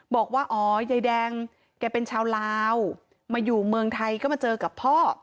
บอกว่าอ๋อยายแดงแกเป็นชาวลาวมาอยู่เมืองไทยก็มาเจอกับพ่อ